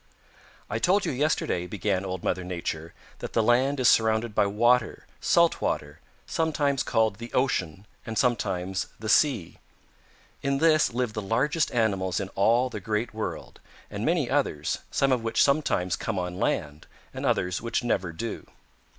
"I told you yesterday," began Old Mother Nature, "that the land is surrounded by water, salt water, sometimes called the ocean and sometimes the sea. In this live the largest animals in all the Great World and many others, some of which sometimes come on land, and others which never do.